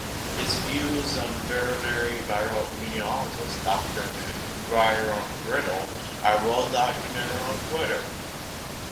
His views on veterinary viral immunologist Doctor Byram Bridle are well documented on Twitter.